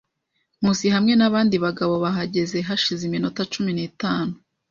Nkusi hamwe nabandi bagabo bahageze hashize iminota cumi n'itanu.